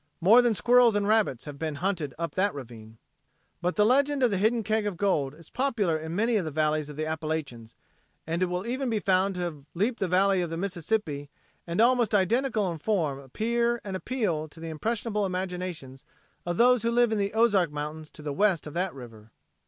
More than squirrels and rabbits have been hunted up that ravine. But the legend of the hidden keg of gold is popular in many of the valleys of the Appalachians, and it will even be found to have leaped the valley of the Mississippi and almost identical in form appear and appeal to the impressionable imaginations of those who live in the Ozark Mountains to the west of that river.